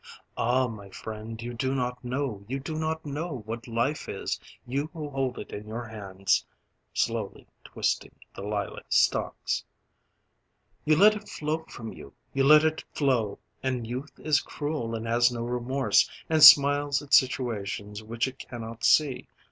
"Ah, my friend, you do not know, you do not know What life is, you should hold it in your hands"; (Slowly twisting the lilac stalks) "You let it flow from you, you let it flow, And youth is cruel, and has no remorse And smiles at situations which it cannot see."